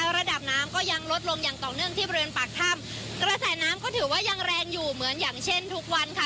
ระดับน้ำก็ยังลดลงอย่างต่อเนื่องที่บริเวณปากถ้ำกระแสน้ำก็ถือว่ายังแรงอยู่เหมือนอย่างเช่นทุกวันค่ะ